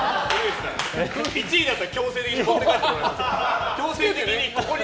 １位になったら強制的に持って帰ってもらいます。